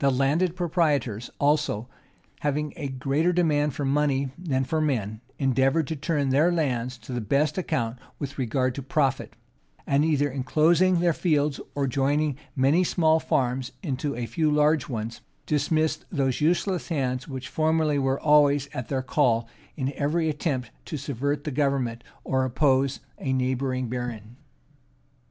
The landed proprietors also, having a greater demand for money than for men, endeavored to turn their lands to the best account with regard to profit; and either enclosing their fields, or joining many small farms into a few large ones, dismissed those useless hands which formerly were always at their call in every attempt to subvert the government, or oppose a neighboring baron.